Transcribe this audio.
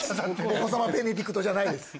お子様ベネディクトじゃない。